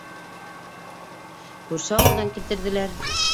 Күрше ауылдан килтерҙеләр.